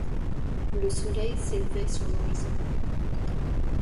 Le soleil s’élevait sur l’horizon.